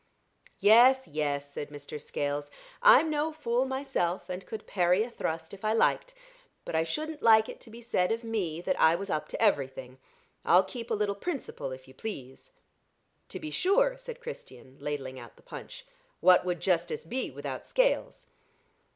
"Yes, yes," said Mr. Scales; "I'm no fool myself, and could parry a thrust if I liked, but I shouldn't like it to be said of me that I was up to everything. I'll keep a little principle if you please." "To be sure," said Christian, ladling out the punch. "What would justice be without Scales?"